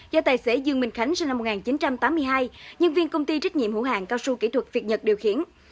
do tài xế dương minh khánh sinh năm một nghìn chín trăm tám mươi hai nhân viên công ty trách nhiệm hữu hạng cao su kỹ thuật việt nhật điều khiển